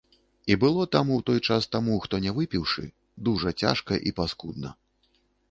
І было там у той час таму, хто не выпіўшы, дужа цяжка і паскудна.